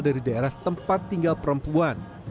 dari daerah tempat tinggal perempuan